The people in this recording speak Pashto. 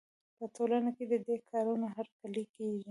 په ټولنه کې د دې کارونو هرکلی کېږي.